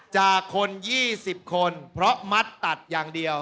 จากคน๒๐คนเพราะมัดตัดอย่างเดียว